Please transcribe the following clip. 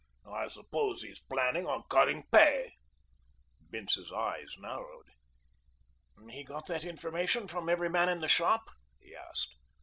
I suppose he is planning on cutting pay." Bince's eyes narrowed. "He got that information from every man in the shop?" he asked.